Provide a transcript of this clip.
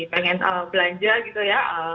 pengen belanja gitu ya